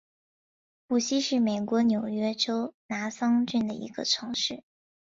谷溪是美国纽约州拿骚郡的一个城市。